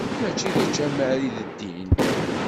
Mačči d ačamar i d ddin.